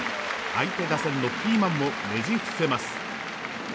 相手打線のキーマンもねじ伏せます。